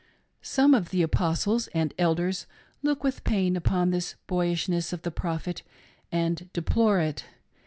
Some of the Apostles and Elders look with pain upon this boyishness of the Prophet, and deplore it.